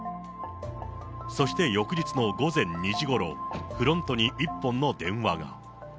そして翌日の午前２時ごろ、フロントに一本の電話が。